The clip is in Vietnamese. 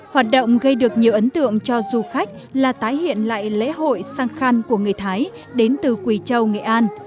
hoạt động gây được nhiều ấn tượng cho du khách là tái hiện lại lễ hội sang khăn của người thái đến từ quỳ châu nghệ an